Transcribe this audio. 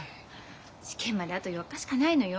試験まであと４日しかないのよ。